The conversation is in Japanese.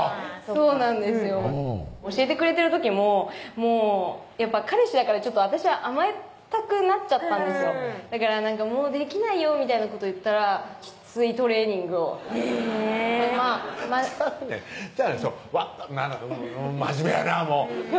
そうなんですよ教えてくれてる時もやっぱ彼氏だから私は甘えたくなっちゃったんですよだから「もうできないよ」みたいなこと言ったらきついトレーニングをえぇちゃうねん違うんですよなんかマジメやなぁもう！